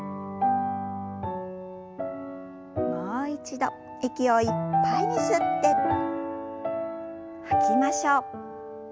もう一度息をいっぱいに吸って吐きましょう。